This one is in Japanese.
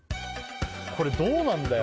これどうなんだよ